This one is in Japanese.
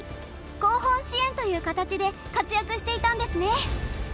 後方支援という形で活躍していたんですね。